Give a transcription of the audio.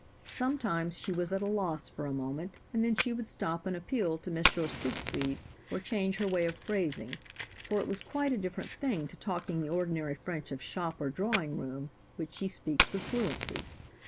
Sometimes she was at a loss for a moment, and then she would stop and appeal to M. Siegfried, or change her way of phrasing, for it was quite a different thing to talking the ordinary French of shop or drawing room, which she speaks with fluency.